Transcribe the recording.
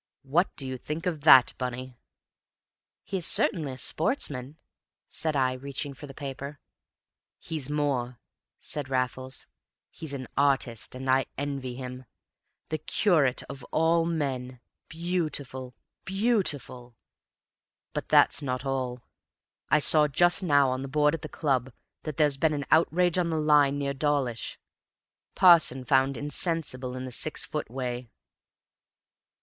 What do you think of that, Bunny?" "He is certainly a sportsman," said I, reaching for the paper. "He's more," said Raffles, "he's an artist, and I envy him. The curate, of all men! Beautiful beautiful! But that's not all. I saw just now on the board at the club that there's been an outrage on the line near Dawlish. Parson found insensible in the six foot way.